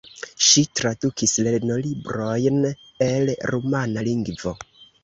Ŝi tradukis lernolibrojn el rumana lingvo.